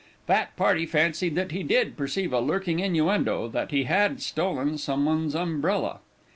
Fat party fancied that he did perceive a lurking innuendo that he had stolen somebody's umbrella.